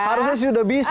harusnya sudah bisa